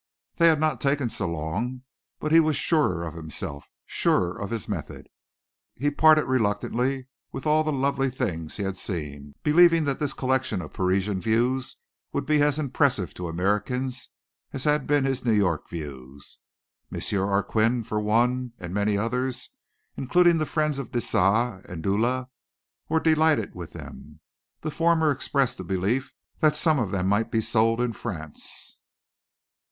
They had not taken so long, but he was surer of himself surer of his method. He parted reluctantly with all the lovely things he had seen, believing that this collection of Parisian views would be as impressive to Americans as had been his New York views. M. Arkquin for one, and many others, including the friends of Deesa and Dula were delighted with them. The former expressed the belief that some of them might be sold in France.